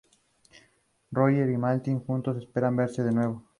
Roger y Marilyn juntos esperan verse de nuevo.